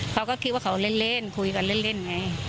เขาก็คิดว่าเขาเล่นคุยกันเล่นไง